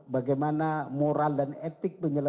bagaimana moral dan etik